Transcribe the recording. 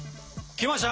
きました！